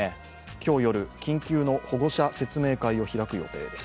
今日夜、緊急の保護者説明会を開く予定です。